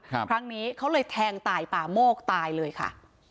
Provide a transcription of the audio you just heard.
ครั้งนี้เขาเลยแทงตายป่าโมกตายเลยค่ะ